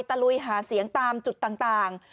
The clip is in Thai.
ลุยหาเสียงตามจุดต่าง